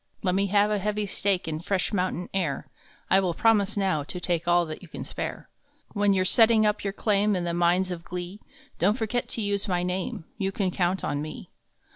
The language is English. Let me have a heavy stake In fresh mountain air I will promise now to take All that you can spare. When you re setting up your claim In the Mines of Glee, Don t forget to use my name You can count on me.